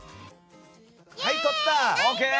はい、撮った！